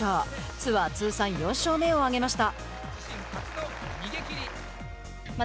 ツアー通算４勝目を挙げました。